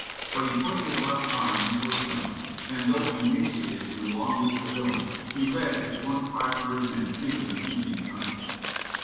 But he put his left arm into a sling, and, though emaciated through long weeks of illness, he led his twenty five hundred men into the Indians' country.